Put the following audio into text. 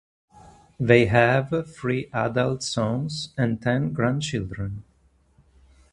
They have three adult sons and ten grandchildren.